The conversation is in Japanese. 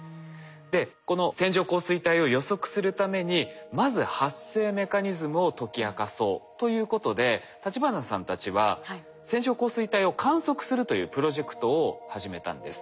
でこの線状降水帯を予測するためにまず発生メカニズムを解き明かそうということで立花さんたちは線状降水帯を観測するというプロジェクトを始めたんです。